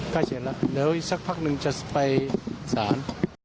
ใกล้เสร็จแล้วเดี๋ยวอีกสักพักหนึ่งจะไปสาร